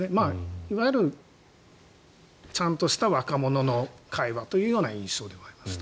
いわゆる、ちゃんとした若者の会話という印象がありました。